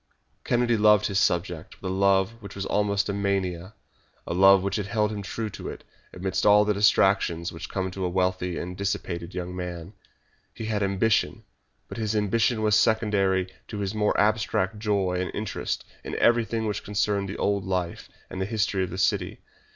Kennedy loved his subject with a love which was almost a mania a love which held him true to it, amidst all the distractions which come to a wealthy and dissipated young man. He had ambition, but his ambition was secondary to his mere abstract joy and interest in everything which concerned the old life and history of the city.